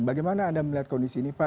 bagaimana anda melihat kondisi ini pak